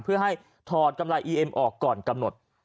เพื่อให้ถอดกำไรอีเอ็มออกก่อนกำหนด